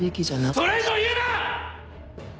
それ以上言うな！